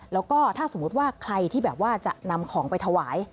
แล้วก็ถ้าสมมุติว่าใครที่แบบว่าจะนำของไปถวาย